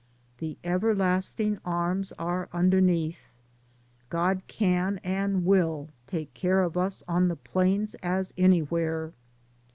'The everlasting arms are un derneath." God can, and will, take care of us as well on the plains as anywhere.